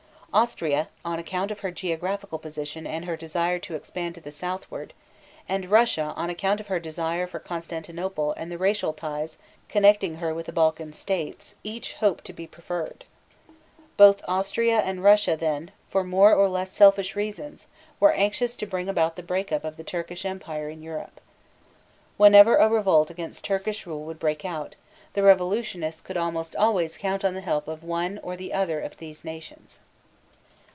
Austria on account of her geographical position and her desire to expand to the southward, and Russia on account of her desire for Constantinople and the racial ties connecting her with the Balkan states, each hoped to be preferred. Both Austria and Russia, then, for more or less selfish reasons, were anxious to bring about the break up of the Turkish Empire in Europe. Whenever a revolt against Turkish rule would break out, the revolutionists could almost always count on the help of one or the other of these nations.